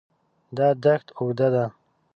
دا دښت اوږده ده.